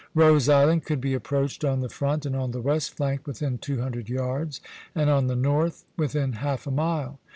Rose Island could be approached on the front and on the west flank within two hundred yards, and on the north within half a mile.